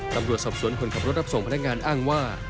ตำรวจสอบสวนคนขับรถรับส่งพนักงานอ้างว่า